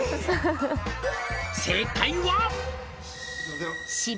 「正解は」